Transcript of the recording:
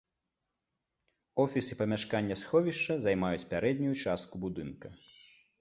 Офіс і памяшканне сховішча займаюць пярэднюю частку будынка.